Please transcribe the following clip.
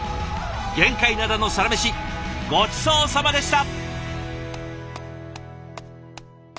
玄界灘のサラメシごちそうさまでした！